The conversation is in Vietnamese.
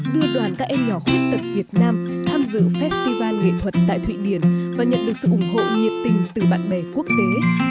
đưa đoàn các em nhỏ khuyết tật việt nam tham dự festival nghệ thuật tại thụy điển và nhận được sự ủng hộ nhiệt tình từ bạn bè quốc tế